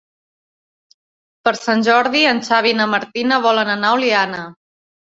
Per Sant Jordi en Xavi i na Martina volen anar a Oliana.